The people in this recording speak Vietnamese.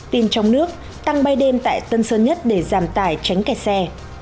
tin trong nước tăng bay đêm tại tân sơn nhất để giảm tải tránh kẹt xe